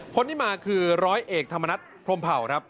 คนที่มาคือร้อยเอกธรรมนัฐพรมเผ่าครับ